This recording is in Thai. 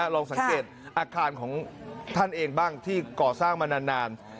ลองสังเกตอาคารของท่านเองบ้างที่ก่อสร้างมานาน